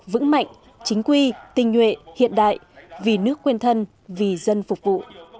vững mạnh chính quy tình nguyện hiện đại vì nước quen thân vì dân phục vụ